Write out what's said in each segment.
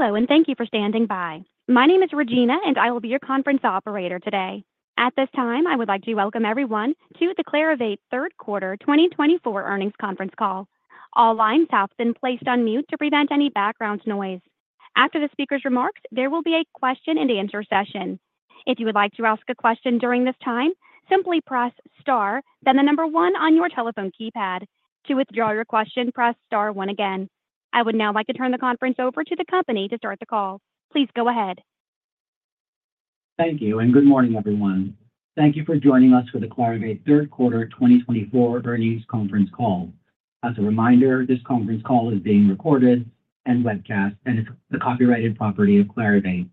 Hello, and thank you for standing by. My name is Regina, and I will be your conference operator today. At this time, I would like to welcome everyone to the Clarivate Q3 2024 Earnings Conference Call. All lines have been placed on mute to prevent any background noise. After the speaker's remarks, there will be a question-and-answer session. If you would like to ask a question during this time, simply press Star, then the number one on your telephone keypad. To withdraw your question, press Star one again. I would now like to turn the conference over to the company to start the call. Please go ahead. Thank you, and good morning, everyone. Thank you for joining us for the Clarivate Q3 2024 earnings conference call. As a reminder, this conference call is being recorded and webcast, and it's the copyrighted property of Clarivate.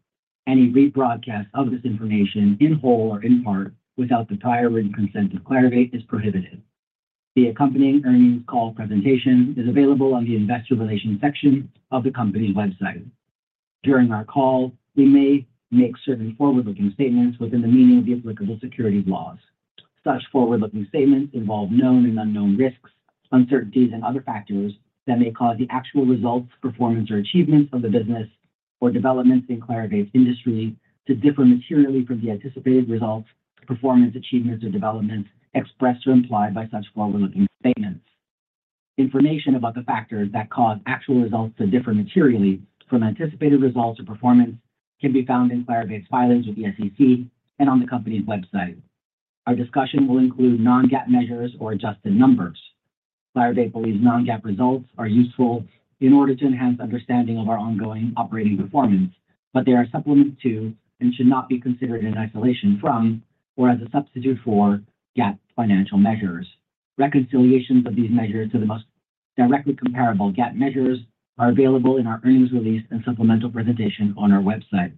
Any rebroadcast of this information in whole or in part without the prior written consent of Clarivate is prohibited. The accompanying earnings call presentation is available on the investor relations section of the company's website. During our call, we may make certain forward-looking statements within the meaning of the applicable securities laws. Such forward-looking statements involve known and unknown risks, uncertainties, and other factors that may cause the actual results, performance, or achievements of the business or developments in Clarivate's industry to differ materially from the anticipated results, performance, achievements, or developments expressed or implied by such forward-looking statements. Information about the factors that cause actual results to differ materially from anticipated results or performance can be found in Clarivate's filings with the SEC and on the company's website. Our discussion will include non-GAAP measures or adjusted numbers. Clarivate believes non-GAAP results are useful in order to enhance understanding of our ongoing operating performance, but they are supplemental to and should not be considered in isolation from or as a substitute for GAAP financial measures. Reconciliations of these measures to the most directly comparable GAAP measures are available in our earnings release and supplemental presentation on our website.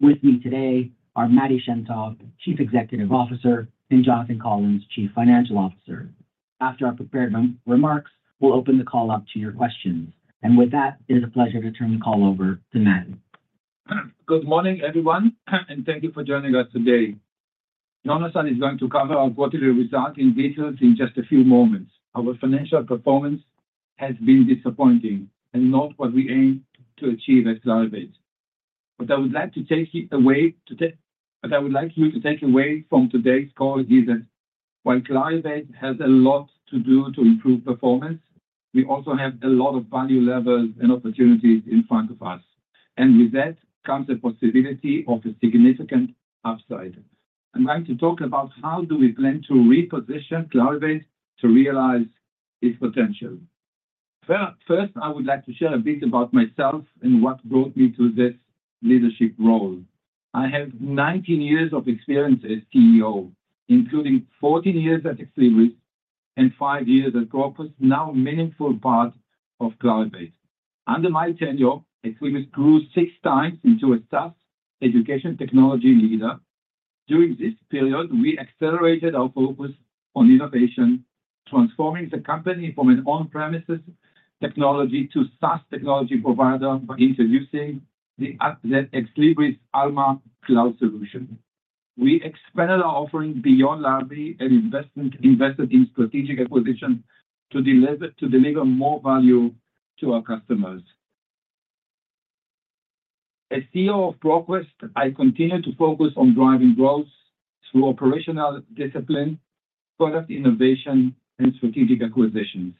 With me today are Matti Shem Tov, Chief Executive Officer, and Jonathan Collins, Chief Financial Officer. After our prepared remarks, we'll open the call up to your questions. And with that, it is a pleasure to turn the call over to Matti. Good morning, everyone, and thank you for joining us today. Jonathan is going to cover our quarterly result in detail in just a few moments. Our financial performance has been disappointing, and not what we aim to achieve at Clarivate. What I would like to take away—what I would like you to take away from today's call is that while Clarivate has a lot to do to improve performance, we also have a lot of value levers and opportunities in front of us. And with that comes a possibility of a significant upside. I'm going to talk about how do we plan to reposition Clarivate to realize its potential. First, I would like to share a bit about myself and what brought me to this leadership role. I have 19 years of experience as CEO, including 14 years at Ex Libris and five years at ProQuest, now a meaningful part of Clarivate. Under my tenure, Ex Libris grew six times into a SaaS education technology leader. During this period, we accelerated our focus on innovation, transforming the company from an on-premises technology to a SaaS technology provider by introducing the Ex Libris Alma cloud solution. We expanded our offering beyond library and invested in strategic acquisitions to deliver more value to our customers. As CEO of ProQuest, I continue to focus on driving growth through operational discipline, product innovation, and strategic acquisitions.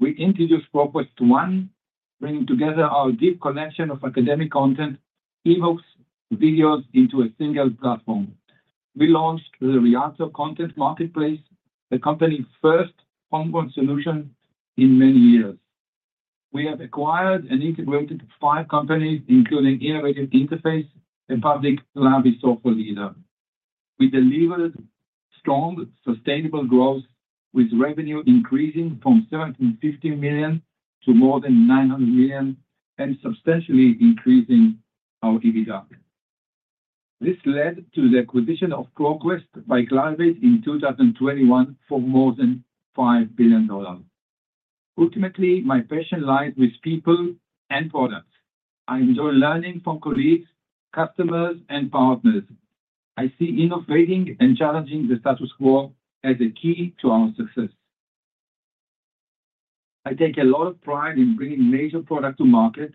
We introduced ProQuest One, bringing together our deep collection of academic content, eBooks, and videos into a single platform. We launched the Rialto Content Marketplace, the company's first ongoing solution in many years. We have acquired and integrated five companies, including Innovative Interfaces and public library software leader. We delivered strong, sustainable growth, with revenue increasing from $750 million to more than $900 million and substantially increasing our EBITDA. This led to the acquisition of ProQuest by Clarivate in 2021 for more than $5 billion. Ultimately, my passion lies with people and products. I enjoy learning from colleagues, customers, and partners. I see innovating and challenging the status quo as a key to our success. I take a lot of pride in bringing major products to market,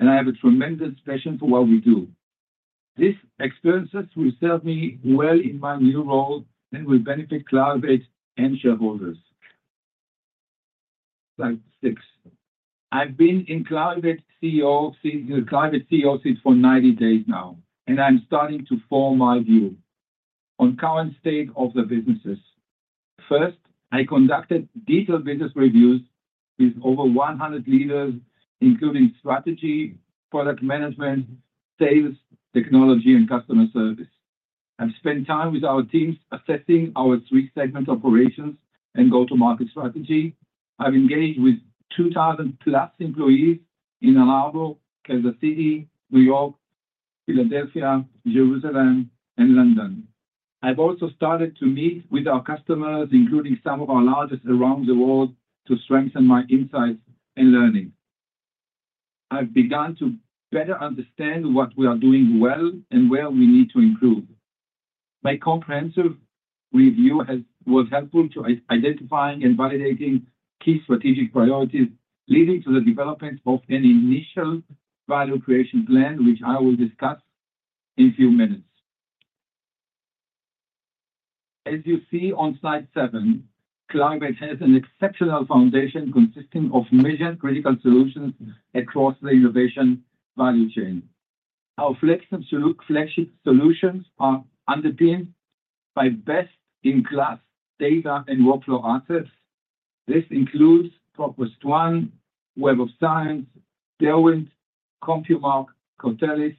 and I have a tremendous passion for what we do. These experiences will serve me well in my new role and will benefit Clarivate and shareholders. Slide 6. I've been Clarivate's CEO for 90 days now, and I'm starting to form my view on the current state of the businesses. First, I conducted detailed business reviews with over 100 leaders, including strategy, product management, sales, technology, and customer service. I've spent time with our teams assessing our three-segment operations and go-to-market strategy. I've engaged with 2,000-plus employees in Ann Arbor, Kansas City, New York, Philadelphia, Jerusalem, and London. I've also started to meet with our customers, including some of our largest around the world, to strengthen my insights and learning. I've begun to better understand what we are doing well and where we need to improve. My comprehensive review was helpful to identifying and validating key strategic priorities, leading to the development of an initial value creation plan, which I will discuss in a few minutes. As you see on Slide 7, Clarivate has an exceptional foundation consisting of mission-critical solutions across the innovation value chain. Our flagship solutions are underpinned by best-in-class data and workflow assets. This includes ProQuest One, Web of Science, Derwent, CompuMark, Cortelis,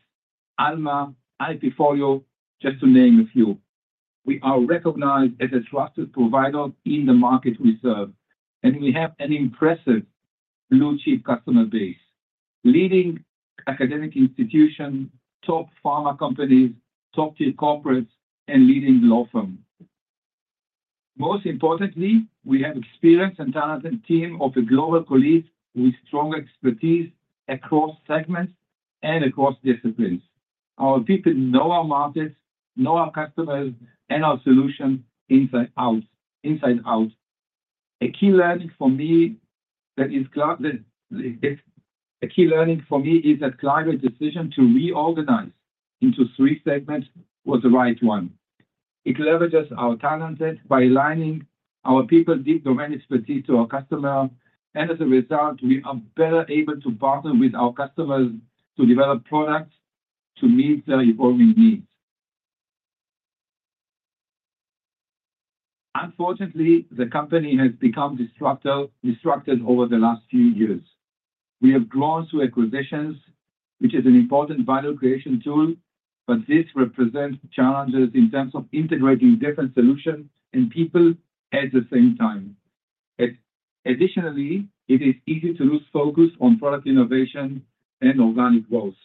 Alma, IPfolio, just to name a few. We are recognized as a trusted provider in the market we serve, and we have an impressive blue-chip customer base, leading academic institutions, top pharma companies, top-tier corporates, and leading law firms. Most importantly, we have an experienced and talented team of global colleagues with strong expertise across segments and across disciplines. Our people know our markets, know our customers, and our solutions inside out. A key learning for me is that Clarivate's decision to reorganize into three segments was the right one. It leverages our talent by aligning our people's deep domain expertise to our customers, and as a result, we are better able to partner with our customers to develop products to meet their evolving needs. Unfortunately, the company has become destructed over the last few years. We have grown through acquisitions, which is an important value creation tool, but this represents challenges in terms of integrating different solutions and people at the same time. Additionally, it is easy to lose focus on product innovation and organic growth.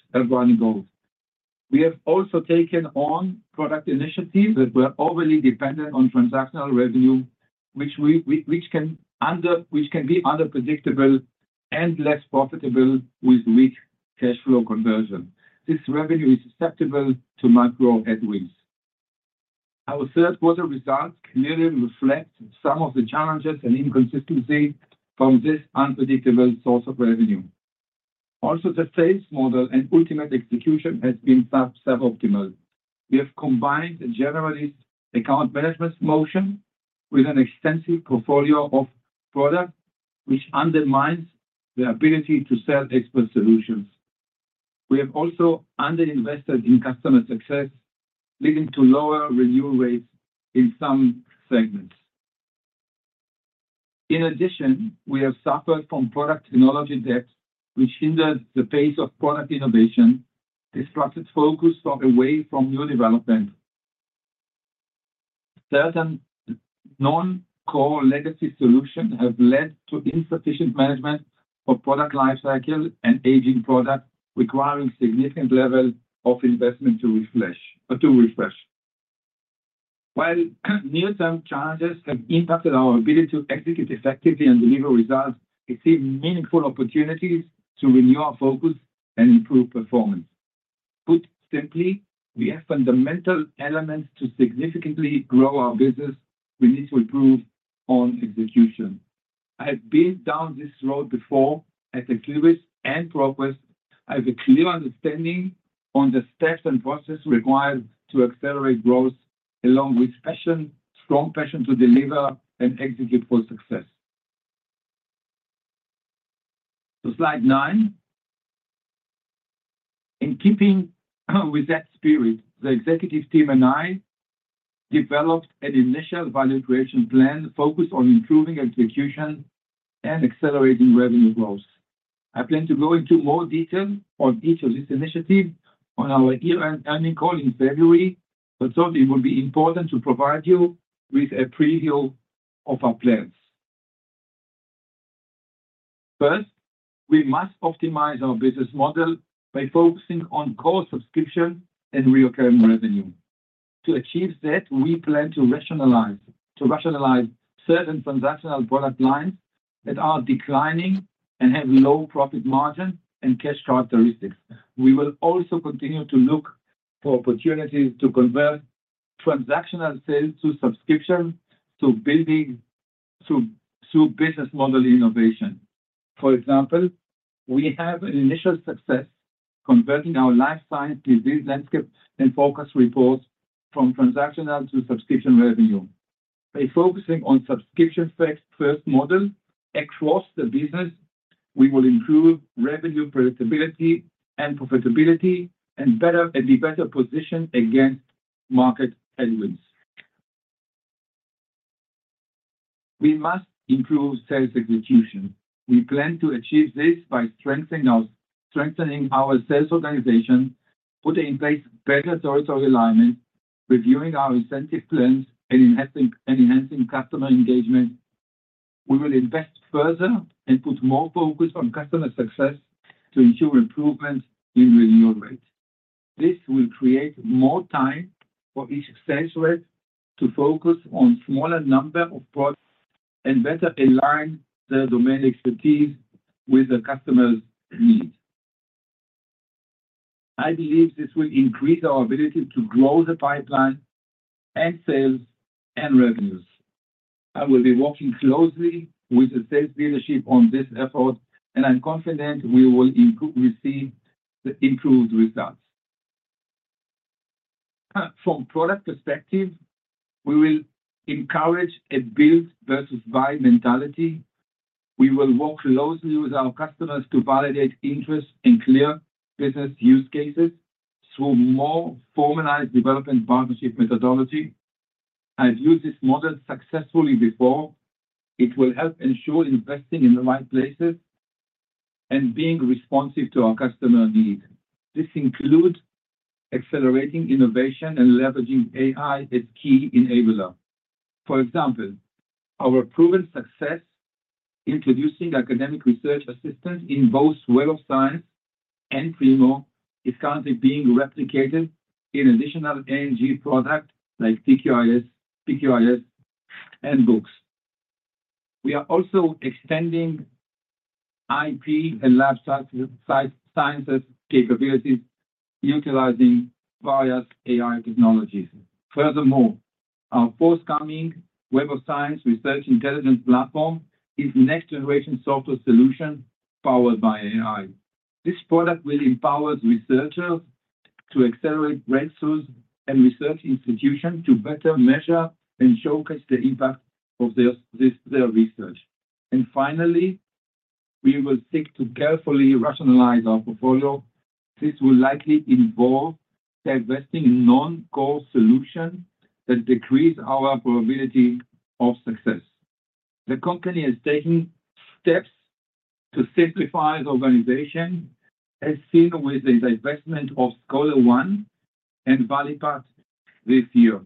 We have also taken on product initiatives that were overly dependent on transactional revenue, which can be unpredictable and less profitable with weak cash flow conversion. This revenue is susceptible to micro headwinds. Our third-quarter results clearly reflect some of the challenges and inconsistencies from this unpredictable source of revenue. Also, the sales model and ultimate execution have been suboptimal. We have combined a generalist account management motion with an extensive portfolio of products, which undermines the ability to sell expert solutions. We have also underinvested in customer success, leading to lower renewal rates in some segments. In addition, we have suffered from product technology debt, which hindered the pace of product innovation, disrupted focus away from new development. Certain non-core legacy solutions have led to insufficient management of product lifecycle and aging products, requiring significant levels of investment to refresh. While near-term challenges have impacted our ability to execute effectively and deliver results, we see meaningful opportunities to renew our focus and improve performance. Put simply, we have fundamental elements to significantly grow our business. We need to improve on execution. I have been down this road before at Ex Libris and ProQuest. I have a clear understanding of the steps and processes required to accelerate growth, along with strong passion to deliver and execute for success. Slide 9. In keeping with that spirit, the executive team and I developed an initial value creation plan focused on improving execution and accelerating revenue growth. I plan to go into more detail on each of these initiatives on our year-end earnings call in February, but thought it would be important to provide you with a preview of our plans. First, we must optimize our business model by focusing on core subscription and recurring revenue. To achieve that, we plan to rationalize certain transactional product lines that are declining and have low profit margins and cash characteristics. We will also continue to look for opportunities to convert transactional sales to subscription through business model innovation. For example, we have an initial success converting our life science Disease Landscape and Forecast reports from transactional to subscription revenue. By focusing on subscription-first models across the business, we will improve revenue predictability and profitability and be better positioned against market headwinds. We must improve sales execution. We plan to achieve this by strengthening our sales organization, putting in place better territory alignment, reviewing our incentive plans, and enhancing customer engagement. We will invest further and put more focus on customer success to ensure improvement in renewal rates. This will create more time for each sales rep to focus on a smaller number of products and better align their domain expertise with the customer's needs. I believe this will increase our ability to grow the pipeline and sales and revenues. I will be working closely with the sales leadership on this effort, and I'm confident we will receive improved results. From a product perspective, we will encourage a build-versus-buy mentality. We will work closely with our customers to validate interest and clear business use cases through more formalized development partnership methodology. I've used this model successfully before. It will help ensure investing in the right places and being responsive to our customer needs. This includes accelerating innovation and leveraging AI as a key enabler. For example, our proven success introducing academic research assistance in both Web of Science and Primo is currently being replicated in additional NG products like PQIs and books. We are also extending IP and life sciences capabilities utilizing various AI technologies. Furthermore, our forthcoming Web of Science Research Intelligence platform is a next-generation software solution powered by AI. This product will empower researchers to accelerate breakthroughs and research institutions to better measure and showcase the impact of their research, and finally, we will seek to carefully rationalize our portfolio. This will likely involve divesting in non-core solutions that decrease our probability of success. The company is taking steps to simplify the organization, as seen with the divestment of ScholarOne and Valipat this year.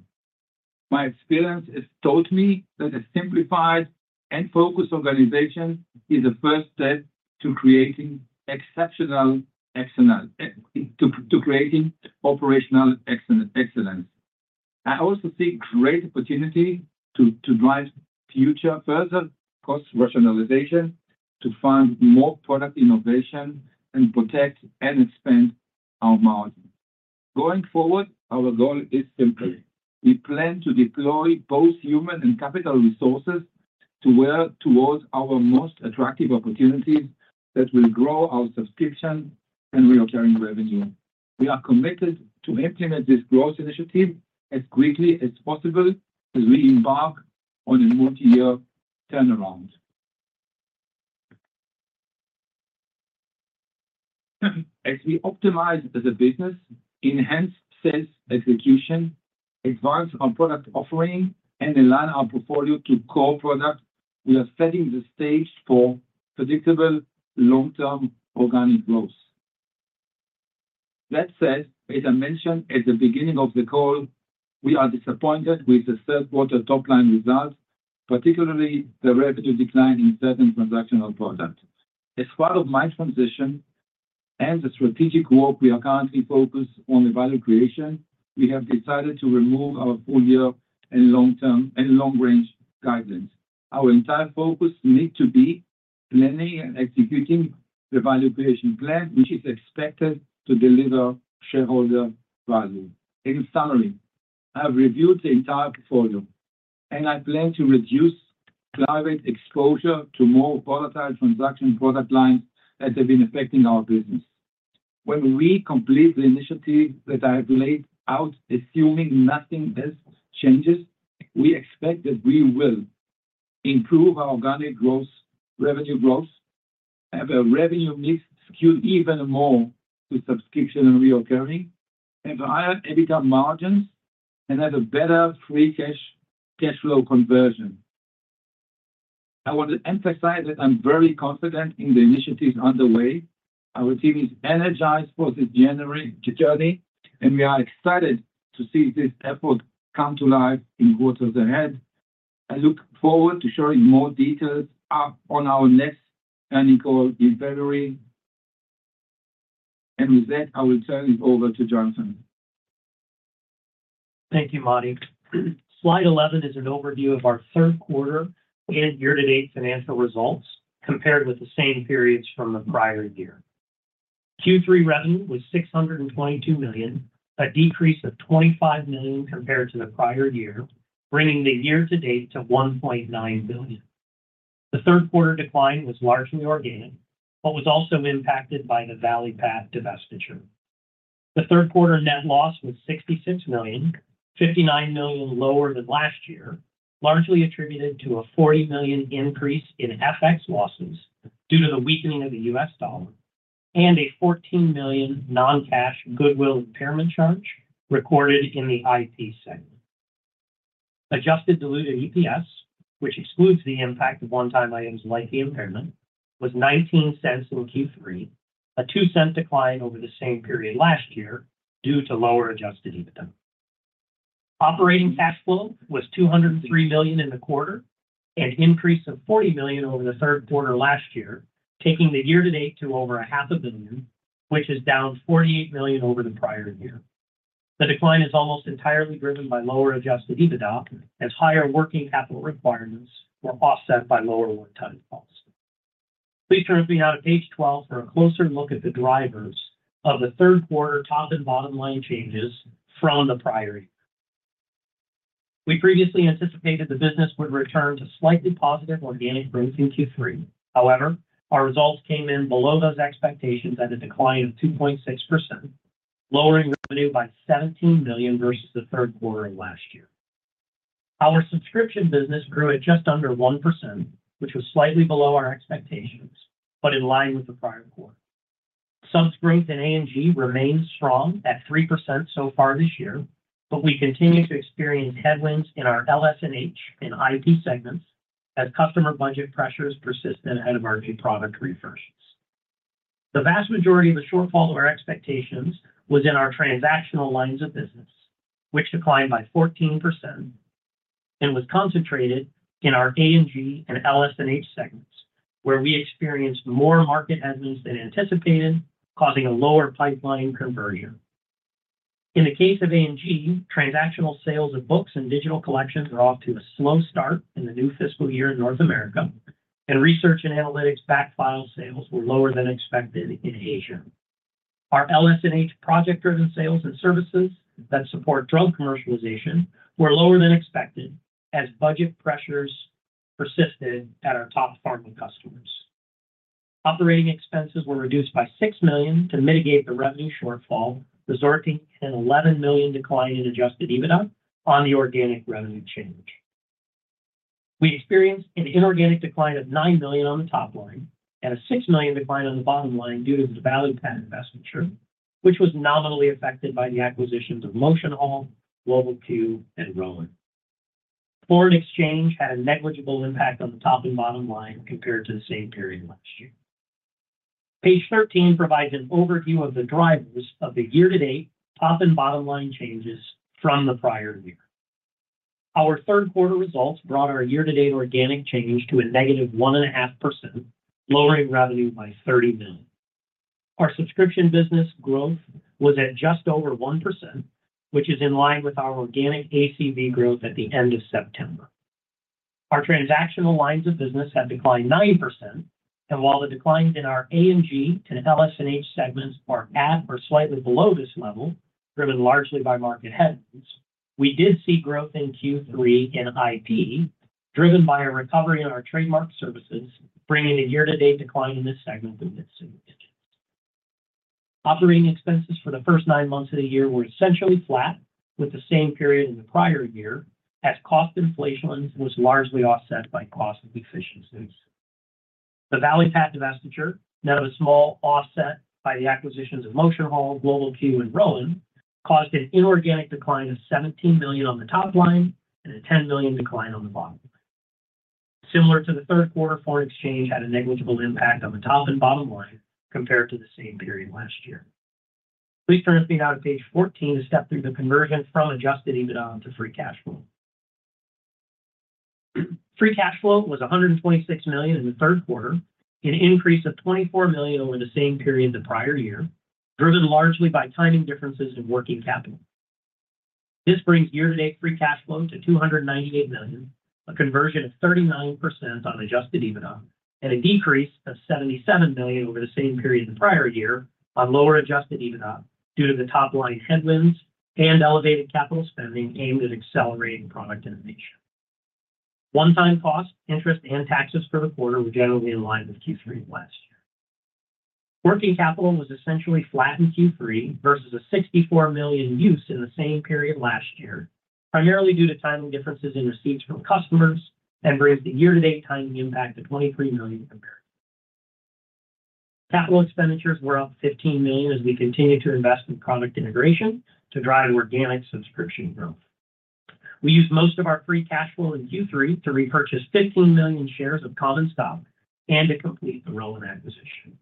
My experience has taught me that a simplified and focused organization is the first step to creating operational excellence. I also see a great opportunity to drive further cost rationalization to fund more product innovation and protect and expand our margins. Going forward, our goal is simple. We plan to deploy both human and capital resources towards our most attractive opportunities that will grow our subscription and recurring revenue. We are committed to implementing this growth initiative as quickly as possible as we embark on a multi-year turnaround. As we optimize the business, enhance sales execution, advance our product offering, and align our portfolio to core products, we are setting the stage for predictable long-term organic growth. That said, as I mentioned at the beginning of the call, we are disappointed with the third-quarter top-line results, particularly the revenue decline in certain transactional products. As part of my transition and the strategic work we are currently focused on the value creation, we have decided to remove our full-year and long-range guidelines. Our entire focus needs to be planning and executing the value creation plan, which is expected to deliver shareholder value. In summary, I have reviewed the entire portfolio, and I plan to reduce Clarivate's exposure to more volatile transactional product lines that have been affecting our business. When we complete the initiative that I have laid out, assuming nothing else changes, we expect that we will improve our organic revenue growth, have a revenue mix skewed even more to subscription and recurring, have higher EBITDA margins, and have a better free cash flow conversion. I want to emphasize that I'm very confident in the initiatives underway. Our team is energized for this journey, and we are excited to see this effort come to life in quarters ahead. I look forward to sharing more details on our next earnings call in February, and with that, I will turn it over to Jonathan. Thank you, Matti. Slide 11 is an overview of our third quarter and year-to-date financial results compared with the same periods from the prior year. Q3 revenue was $622 million, a decrease of $25 million compared to the prior year, bringing the year-to-date to $1.9 billion. The third-quarter decline was largely organic but was also impacted by the Valipat divestiture. The third-quarter net loss was $66 million, $59 million lower than last year, largely attributed to a $40 million increase in FX losses due to the weakening of the U.S. dollar and a $14 million non-cash goodwill impairment charge recorded in the IP segment. Adjusted diluted EPS, which excludes the impact of one-time items like the impairment, was $0.19 in Q3, a $0.00 decline over the same period last year due to lower adjusted EBITDA. Operating cash flow was $203 million in the quarter, an increase of $40 million over the third quarter last year, taking the year-to-date to over $0.5 billion, which is down $48 million over the prior year. The decline is almost entirely driven by lower adjusted EBITDA as higher working capital requirements were offset by lower one-time costs. Please turn with me now to page 12 for a closer look at the drivers of the third-quarter top and bottom-line changes from the prior year. We previously anticipated the business would return to slightly positive organic growth in Q3. However, our results came in below those expectations at a decline of 2.6%, lowering revenue by $17 million versus the third quarter of last year. Our subscription business grew at just under 1%, which was slightly below our expectations, but in line with the prior quarter. Subs growth in A&G remains strong at 3% so far this year, but we continue to experience headwinds in our LS&H and IP segments as customer budget pressures persisted ahead of our new product refreshes. The vast majority of the shortfall of our expectations was in our transactional lines of business, which declined by 14% and was concentrated in our A&G and LS&H segments, where we experienced more market headwinds than anticipated, causing a lower pipeline conversion. In the case of A&G, transactional sales of books and digital collections were off to a slow start in the new fiscal year in North America, and research and analytics backfile sales were lower than expected in Asia. Our LS&H project-driven sales and services that support drug commercialization were lower than expected as budget pressures persisted at our top pharma customers. Operating expenses were reduced by $6 million to mitigate the revenue shortfall, resulting in an $11 million decline in adjusted EBITDA on the organic revenue change. We experienced an inorganic decline of $9 million on the top line and a $6 million decline on the bottom line due to the Valipat divestiture, which was nominally affected by the acquisitions of MotionHall, Global Q, and Rowan. Foreign exchange had a negligible impact on the top and bottom line compared to the same period last year. Page 13 provides an overview of the drivers of the year-to-date top and bottom line changes from the prior year. Our third-quarter results brought our year-to-date organic change to a negative 1.5%, lowering revenue by $30 million. Our subscription business growth was at just over 1%, which is in line with our organic ACV growth at the end of September. Our transactional lines of business had declined 9%, and while the declines in our A&G to LS&H segments are at or slightly below this level, driven largely by market headwinds, we did see growth in Q3 in IP, driven by a recovery in our trademark services, bringing the year-to-date decline in this segment to its single digits. Operating expenses for the first nine months of the year were essentially flat with the same period in the prior year, as cost inflation was largely offset by cost efficiencies. The Valipat divestiture, net of a small offset by the acquisitions of MotionHall, Global Q, and Rowan, caused an inorganic decline of $17 million on the top line and a $10 million decline on the bottom line. Similar to the third quarter, foreign exchange had a negligible impact on the top and bottom line compared to the same period last year. Please turn with me now to page 14 to step through the conversion from adjusted EBITDA to free cash flow. Free cash flow was $126 million in the third quarter, an increase of $24 million over the same period the prior year, driven largely by timing differences in working capital. This brings year-to-date free cash flow to $298 million, a conversion of 39% on adjusted EBITDA, and a decrease of $77 million over the same period the prior year on lower adjusted EBITDA due to the top-line headwinds and elevated capital spending aimed at accelerating product innovation. One-time costs, interest, and taxes for the quarter were generally in line with Q3 of last year. Working capital was essentially flat in Q3 versus a $64 million use in the same period last year, primarily due to timing differences in receipts from customers, and brings the year-to-date timing impact to $23 million compared to last year. Capital expenditures were up $15 million as we continued to invest in product integration to drive organic subscription growth. We used most of our free cash flow in Q3 to repurchase $15 million shares of common stock and to complete the Rowan acquisition.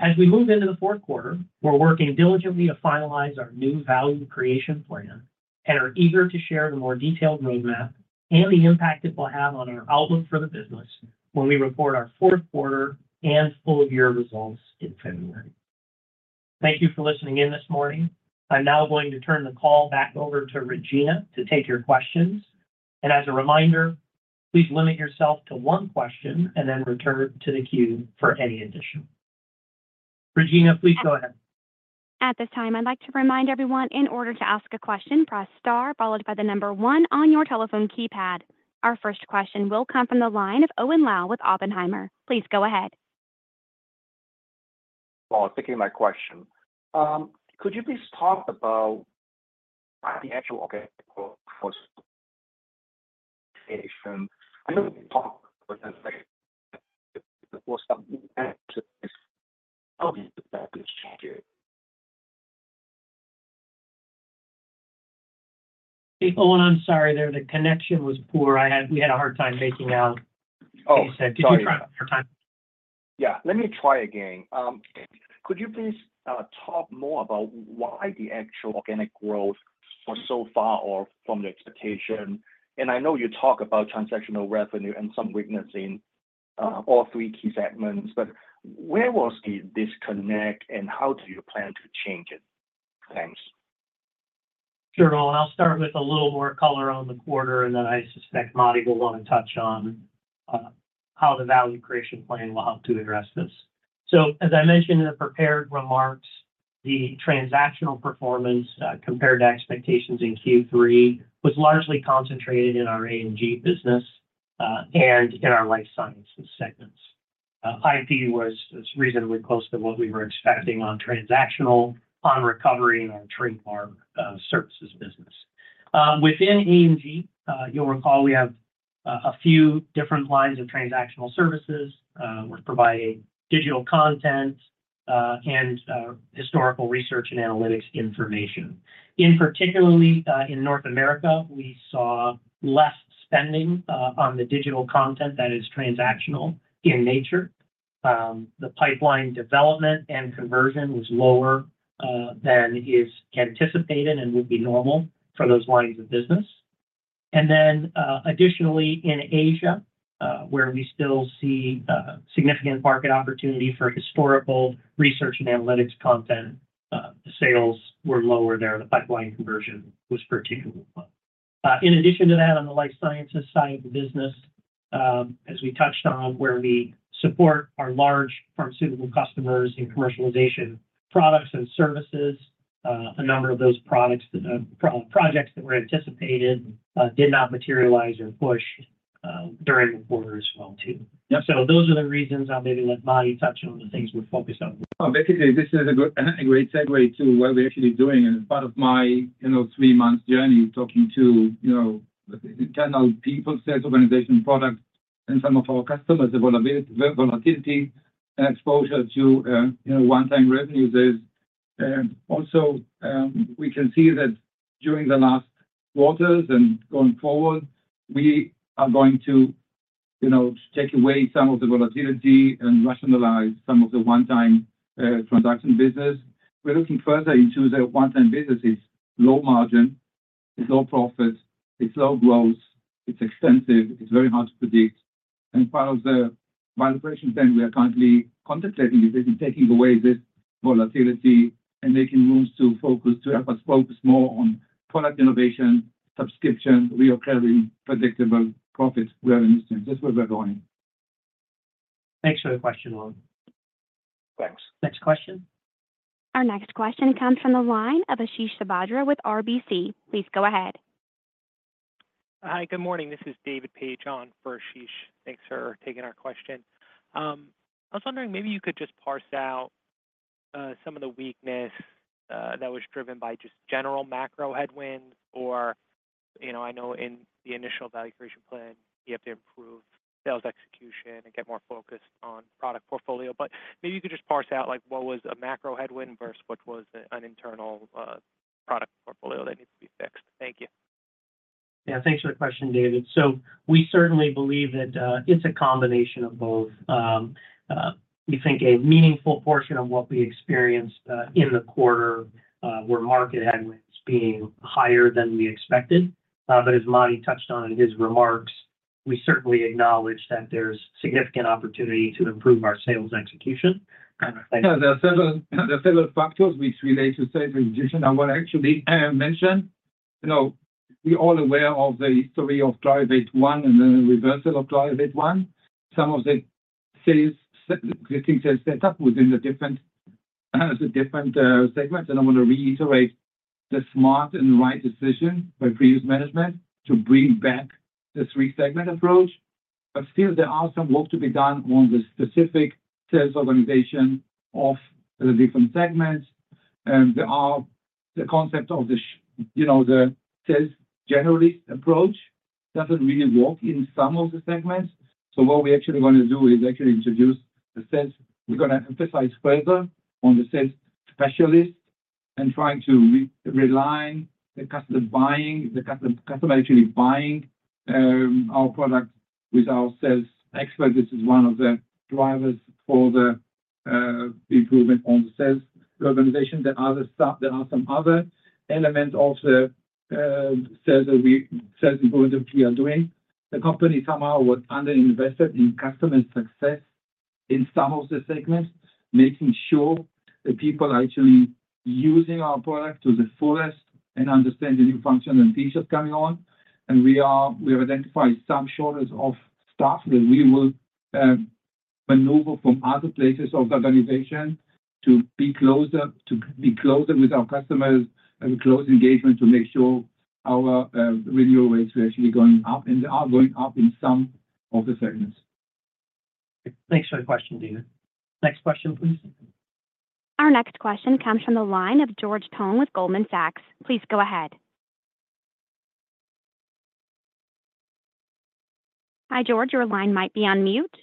As we move into the fourth quarter, we're working diligently to finalize our new value creation plan and are eager to share the more detailed roadmap and the impact it will have on our outlook for the business when we report our fourth quarter and full-year results in February. Thank you for listening in this morning. I'm now going to turn the call back over to Regina to take your questions. And as a reminder, please limit yourself to one question and then return to the queue for any additional. Regina, please go ahead. At this time, I'd like to remind everyone in order to ask a question, press star followed by the number one on your telephone keypad. Our first question will come from the line of Owen Lau with Oppenheimer. Please go ahead. Well, I was thinking of my question. Could you please talk more about why the actual organic growth was so far off from the expectation? And I know you talk about transactional revenue and some weakness in all three key segments, but where was this disconnect and how do you plan to change it? Thanks. Sure. I'll start with a little more color on the quarter, and then I suspect Matti will want to touch on how the value creation plan will help to address this. As I mentioned in the prepared remarks, the transactional performance compared to expectations in Q3 was largely concentrated in our A&G business and in our life sciences segments. IP was reasonably close to what we were expecting on transactional, on recovery, and our trademark services business. Within A&G, you'll recall we have a few different lines of transactional services. We're providing digital content and historical research and analytics information. In particular, in North America, we saw less spending on the digital content that is transactional in nature. The pipeline development and conversion was lower than is anticipated and would be normal for those lines of business. And then, additionally, in Asia, where we still see significant market opportunity for historical research and analytics content, sales were lower there. The pipeline conversion was particularly low. In addition to that, on the life sciences side of the business, as we touched on, where we support our large pharmaceutical customers in commercialization products and services, a number of those projects that were anticipated did not materialize or push during the quarter as well, too. Those are the reasons I'll maybe let Matti touch on the things we're focused on. Basically, this is a great segue to what we're actually doing, and as part of my three-month journey talking to internal people, sales organization, product, and some of our customers, the volatility and exposure to one-time revenues, there's also we can see that during the last quarters and going forward, we are going to take away some of the volatility and rationalize some of the one-time transaction business. We're looking further into the one-time business. It's low margin. It's low profit. It's low growth. It's expensive. It's very hard to predict, and part of the value creation plan we are currently contemplating is taking away this volatility and making room to focus more on product innovation, subscription, recurring, predictable profit revenues. That's where we're going. Thanks for the question, Owen. Thanks. Next question. Our next question comes from the line of Ashish Sabadra with RBC. Please go ahead. Hi, good morning. This is David Paige on for Ashish. Thanks for taking our question. I was wondering maybe you could just parse out some of the weakness that was driven by just general macro headwinds or I know in the initial value creation plan, you have to improve sales execution and get more focused on product portfolio. But maybe you could just parse out what was a macro headwind versus what was an internal product portfolio that needs to be fixed. Thank you. Yeah, thanks for the question, David. We certainly believe that it's a combination of both. We think a meaningful portion of what we experienced in the quarter were market headwinds being higher than we expected. But as Matti touched on in his remarks, we certainly acknowledge that there's significant opportunity to improve our sales execution. The several factors which relate to sales execution, I want to actually mention. We're all aware of the history of Clarivate One and the reversal of Clarivate One. Some of the existing sales setup within the different segments. And I want to reiterate the smart and right decision by previous management to bring back the three-segment approach. But still, there are some work to be done on the specific sales organization of the different segments. The concept of the sales generalist approach doesn't really work in some of the segments. What we're actually going to do is actually introduce the sales. We're going to emphasize further on the sales specialist and trying to realign the customer buying, the customer actually buying our product with our sales expert. This is one of the drivers for the improvement on the sales organization. There are some other elements of the sales improvement that we are doing. The company somehow was underinvested in customer success in some of the segments, making sure that people are actually using our product to the fullest and understanding new functions and features coming on, and we have identified some shortage of staff that we will maneuver from other places of the organization to be closer with our customers and with closer engagement to make sure our renewal rates are actually going up and are going up in some of the segments. Thanks for the question, David. Next question, please. Our next question comes from the line of George Tong with Goldman Sachs. Please go ahead. Hi, George. Your line might be on mute.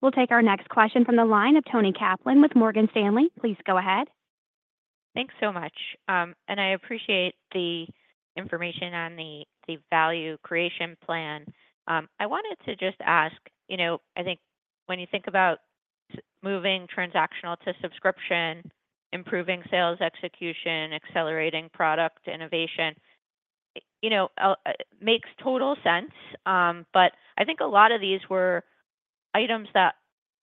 We'll take our next question from the line of Toni Kaplan with Morgan Stanley. Please go ahead. Thanks so much. And I appreciate the information on the value creation plan. I wanted to just ask, I think when you think about moving transactional to subscription, improving sales execution, accelerating product innovation, it makes total sense. But I think a lot of these were items that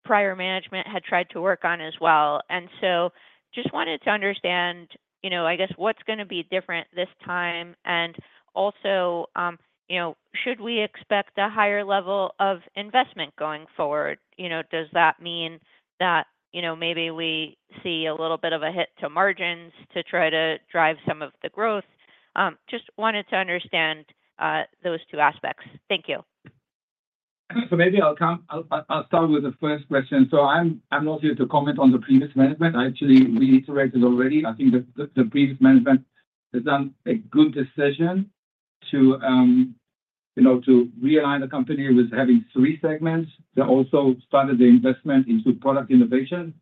prior management had tried to work on as well. And so just wanted to understand, I guess, what's going to be different this time? And also, should we expect a higher level of investment going forward? Does that mean that maybe we see a little bit of a hit to margins to try to drive some of the growth? Just wanted to understand those two aspects. Thank you. Maybe I'll start with the first question. I'm not here to comment on the previous management. I actually reiterated already. I think the previous management has done a good decision to realign the company with having three segments. They also started the investment into product innovation.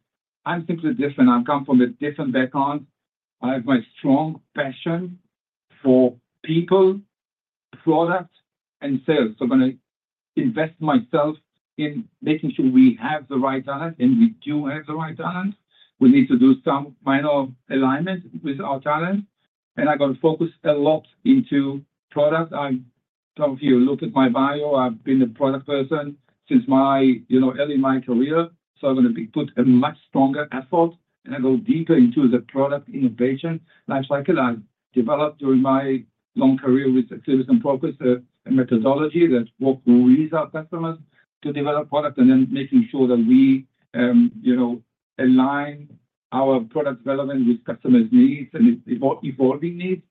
I'm simply different. I come from a different background. I have my strong passion for people, product, and sales. I'm going to invest myself in making sure we have the right talent and we do have the right talent. We need to do some minor alignment with our talent. And I'm going to focus a lot into product. I'm talking to you, look at my bio. I've been a product person since early in my career, so I'm going to put a much stronger effort and I go deeper into the product innovation lifecycle I've developed during my long career with a system and focus and methodology that work with our customers to develop product and then making sure that we align our product development with customers' needs and evolving needs,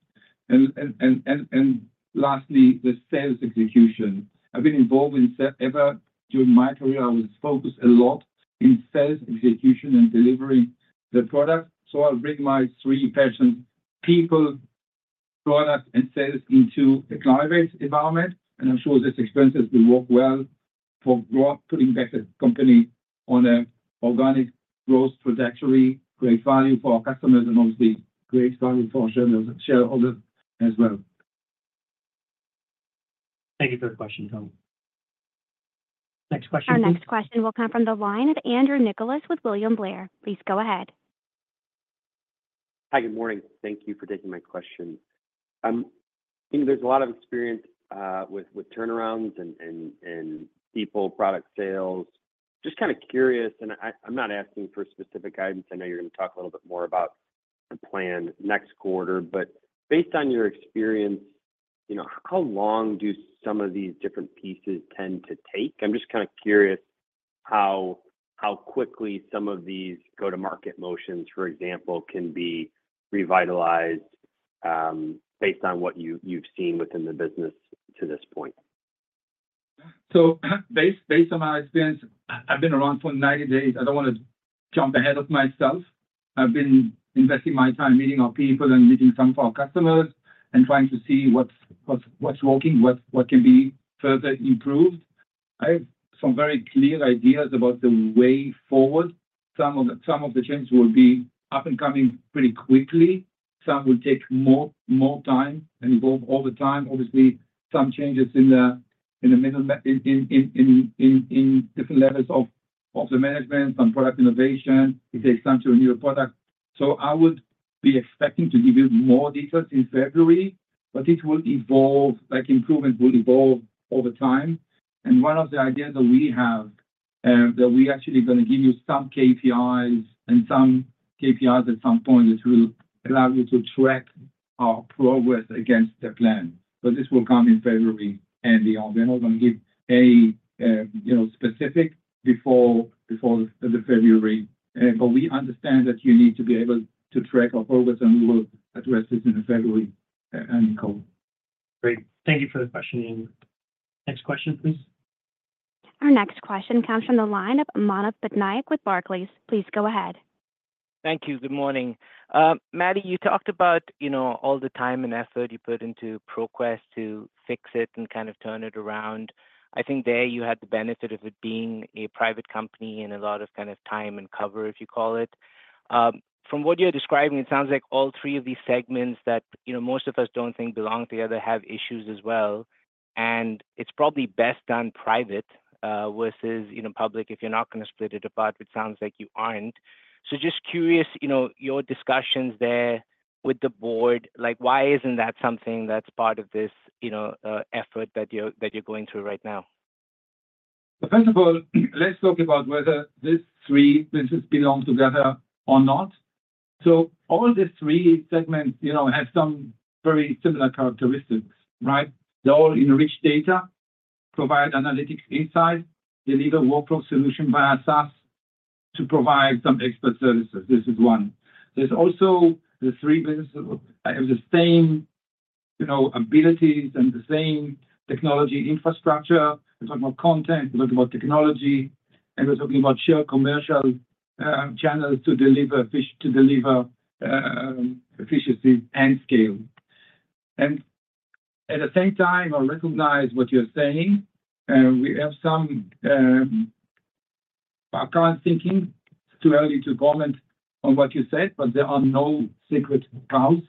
and lastly, the sales execution. I've been involved in sales throughout my career. I was focused a lot in sales execution and delivering the product, so I'll bring my three passions, people, product, and sales into a cloud-based environment, and I'm sure this experience has worked well for putting the company back on an organic growth trajectory, great value for our customers, and obviously great value for shareholders as well. Thank you for the question, Toni. Next question. Our next question will come from the line of Andrew Nicholas with William Blair. Please go ahead. Hi, good morning. Thank you for taking my question. There's a lot of experience with turnarounds and people, product sales. Just curious, and I'm not asking for specific guidance. I know you're going to talk a little bit more about the plan next quarter. But based on your experience, how long do some of these different pieces tend to take? I'm just curious how quickly some of these go-to-market motions, for example, can be revitalized based on what you've seen within the business to this point. Based on our experience, I've been around for 90 days. I don't want to jump ahead of myself. I've been investing my time meeting our people and meeting some of our customers and trying to see what's working, what can be further improved. I have some very clear ideas about the way forward. Some of the changes will be up and coming pretty quickly. Some will take more time and evolve over time. Obviously, some changes in the middle in different levels of the management, some product innovation. It takes time to renew a product. I would be expecting to give you more details in February, but it will evolve. Improvement will evolve over time. And one of the ideas that we have that we're actually going to give you some KPIs and some KPIs at some point that will allow you to track our progress against the plan. But this will come in February and beyond. We're not going to give any specific before the February. But we understand that you need to be able to track our progress, and we will address this in February and go. Great. Thank you for the question. Next question, please. Our next question comes from the line of Manav Patnaik with Barclays. Please go ahead. Thank you. Good morning. Matti, you talked about all the time and effort you put into ProQuest to fix it and turn it around. I think there you had the benefit of it being a private company and a lot of time and cover, if you call it. From what you're describing, it sounds like all three of these segments that most of us don't think belong together have issues as well. And it's probably best done private versus public if you're not going to split it apart, which sounds like you aren't. Just curious, your discussions there with the board, why isn't that something that's part of this effort that you're going through right now? First of all, let's talk about whether these three businesses belong together or not. All these three segments have some very similar characteristics. They're all enriched data, provide analytic insight, deliver workflow solution via SaaS to provide some expert services. This is one. There's also the three businesses that have the same abilities and the same technology infrastructure. We're talking about content. We're talking about technology. And we're talking about shared commercial channels to deliver efficiency and scale. And at the same time, I recognize what you're saying. We have some current thinking. It's too early to comment on what you said, but there are no sacred cows.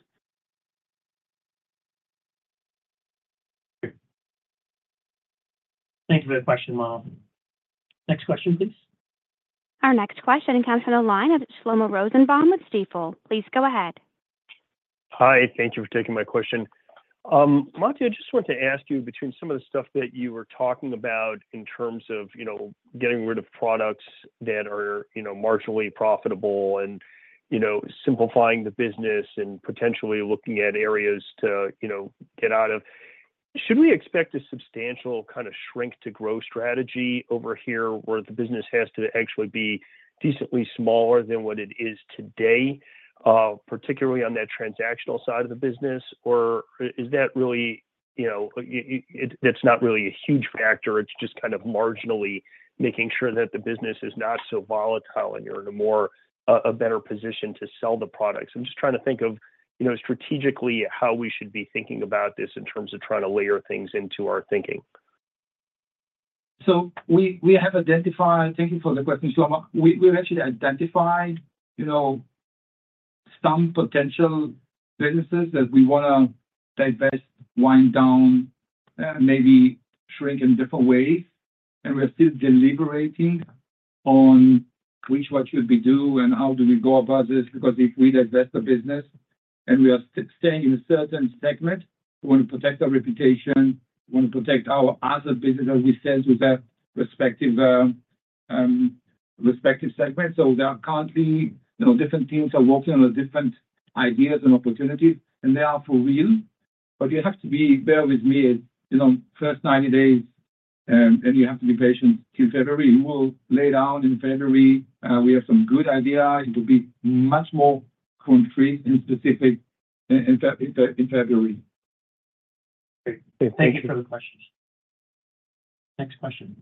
Thank you for the question, Manav. Next question, please. Our next question comes from the line of Shlomo Rosenbaum with Stifel. Please go ahead. Hi. Thank you for taking my question. Matti, I just wanted to ask you, between some of the stuff that you were talking about in terms of getting rid of products that are marginally profitable and simplifying the business and potentially looking at areas to get out of, should we expect a substantial shrink to growth strategy over here where the business has to actually be decently smaller than what it is today, particularly on that transactional side of the business? Or is that really, that's not really a huge factor? It's just marginally making sure that the business is not so volatile and you're in a better position to sell the products. I'm just trying to think of strategically how we should be thinking about this in terms of trying to layer things into our thinking. Thank you for the question, Shlomo. We've actually identified some potential businesses that we want to divest, wind down, maybe shrink in different ways. We're still deliberating on which, what should we do and how do we go about this because if we divest the business and we are staying in a certain segment, we want to protect our reputation. We want to protect our other businesses, we said, with their respective segments. There are currently different teams that are working on different ideas and opportunities, and they are for real. You have to bear with me for the first 90 days, and you have to be patient till February. We will lay down in February. We have some good ideas. It will be much more concrete and specific in February. Thank you for the questions. Next question.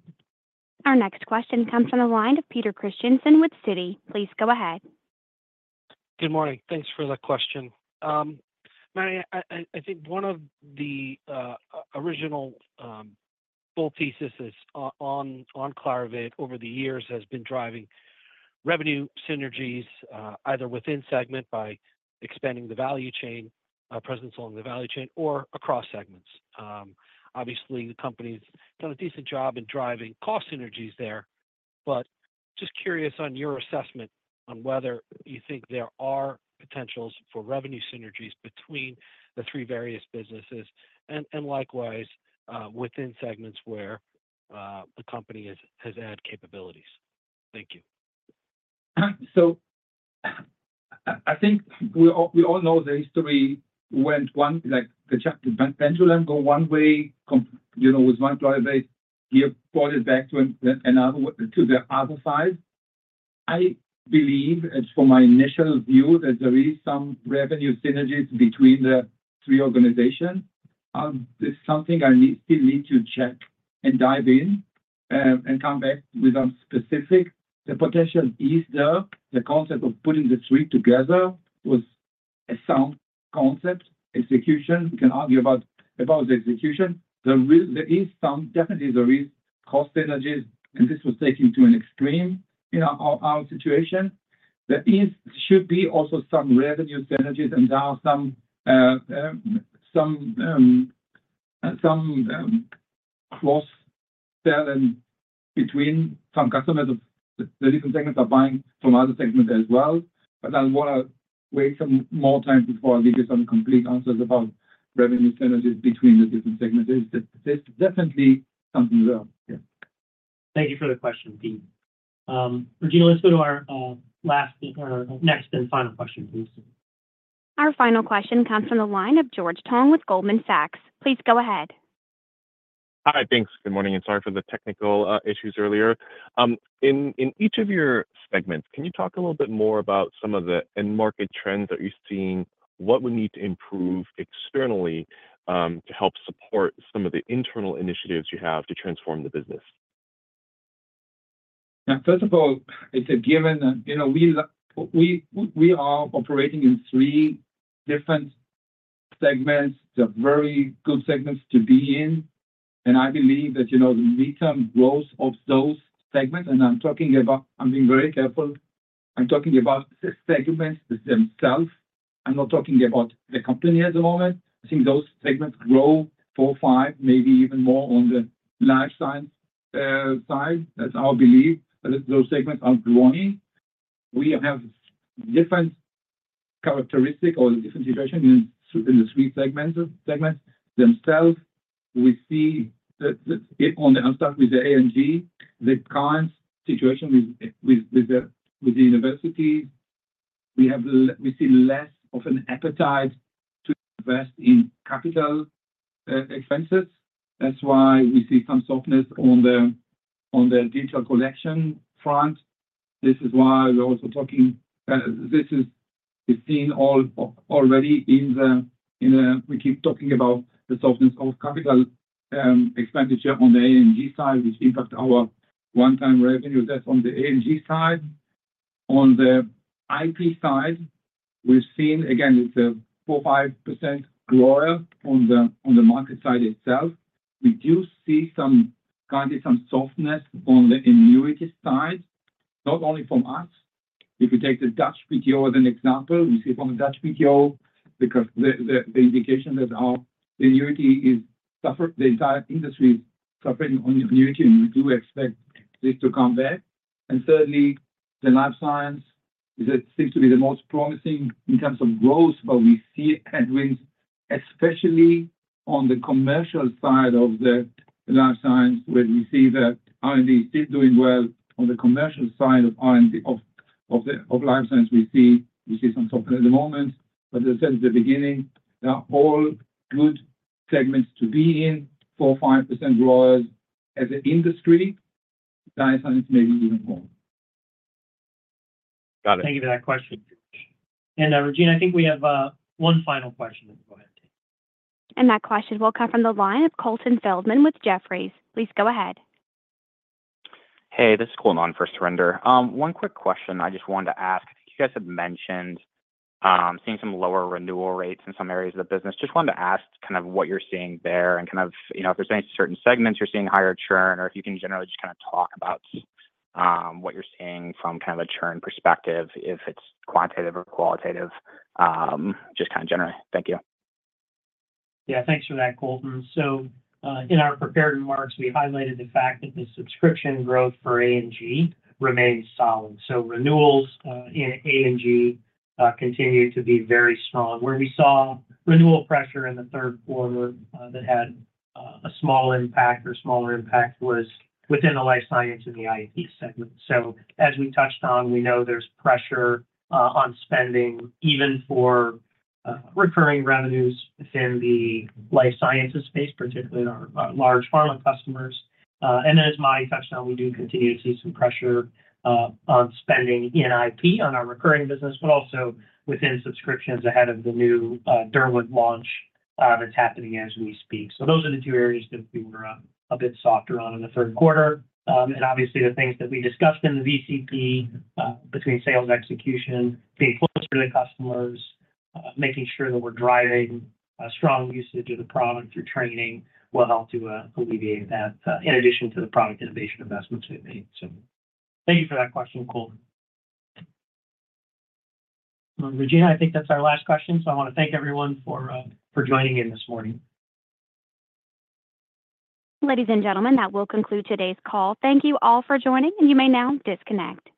Our next question comes from the line of Peter Christiansen with Citi. Please go ahead. Good morning. Thanks for the question. Matti, one of the original full theses on Clarivate over the years has been driving revenue synergies either within segment by expanding the value chain, presence along the value chain, or across segments. Obviously, the company's done a decent job in driving cost synergies there. But just curious on your assessment on whether you think there are potentials for revenue synergies between the three various businesses and likewise within segments where the company has had capabilities. Thank you. We all know the history went one like the pendulum go one way with one Clarivate, you bought it back to the other side. I believe it's from my initial view that there is some revenue synergies between the three organizations. It's something I still need to check and dive in and come back with some specifics. The potential is there. The concept of putting the three together was a sound concept. Execution. We can argue about the execution. There is some, definitely there is cost synergies, and this was taken to an extreme in our situation. There should be also some revenue synergies, and there are some cross-selling between some customers of the different segments are buying from other segments as well. But I want to wait some more time before I give you some complete answers about revenue synergies between the different segments. There's definitely something there. Thank you for the question, Peter. Regina, let's go to our last next and final question, please. Our final question comes from the line of George Tong with Goldman Sachs. Please go ahead. Hi, thanks. Good morning. And sorry for the technical issues earlier. In each of your segments, can you talk a little bit more about some of the end market trends that you're seeing? What would need to improve externally to help support some of the internal initiatives you have to transform the business? First of all, it's a given that we are operating in three different segments. They're very good segments to be in. And I believe that the midterm growth of those segments, and I'm talking about, I'm being very careful. I'm talking about the segments themselves. I'm not talking about the company at the moment. I think those segments grow four, five, maybe even more on the life science side. That's our belief that those segments are growing. We have different characteristics or different situations in the three segments themselves. We see, to start with, the A&G, the current situation with the universities. We see less of an appetite to invest in capital expenses. That's why we see some softness on the digital collection front. This is why we're also talking, we keep talking about the softness of capital expenditure on the A&G side, which impacts our one-time revenue. That's on the A&G side. On the IP side, we've seen, again, it's a 4%-5% growth on the market side itself. We do see currently some softness on the annuity side, not only from us. If you take the Dutch PTO as an example, we see from the Dutch PTO because the indication that our annuity is suffering, the entire industry is suffering on annuity, and we do expect this to come back. And thirdly, the life science seems to be the most promising in terms of growth, but we see headwinds, especially on the commercial side of the life science, where we see that R&D is still doing well. On the commercial side of life science, we see some softness at the moment. But as I said at the beginning, there are all good segments to be in, 4%-5% growth as an industry. Life science may be even more. Got it. Thank you for that question. And Regina, We have one final question. Go ahead. And that question will come from the line of Colton Feldman with Jefferies. Please go ahead. Hey, this is Colton for Surinder. One quick question I just wanted to ask. You guys had mentioned seeing some lower renewal rates in some areas of the business. Just wanted to ask what you're seeing there and if there's any certain segments you're seeing higher churn or if you can generally just talk about what you're seeing from a churn perspective, if it's quantitative or qualitative, just generally. Thank you. Yeah, thanks for that, Colton. In our prepared remarks, we highlighted the fact that the subscription growth for A&G remains solid. Renewals in A&G continue to be very strong. Where we saw renewal pressure in the third quarter that had a small impact or smaller impact was within the life sciences and the IP segment. As we touched on, we know there's pressure on spending even for recurring revenues within the life sciences space, particularly our large pharma customers. And as Matti touched on, we do continue to see some pressure on spending in IP on our recurring business, but also within subscriptions ahead of the new Derwent launch that's happening as we speak. Those are the two areas that we were a bit softer on in the third quarter. And obviously, the things that we discussed in the VCP between sales execution, being closer to the customers, making sure that we're driving strong usage of the product through training will help to alleviate that in addition to the product innovation investments we've made. Thank you for that question, Colton. Regina, that's our last question. I want to thank everyone for joining in this morning. Ladies and gentlemen, that will conclude today's call. Thank you all for joining, and you may now disconnect.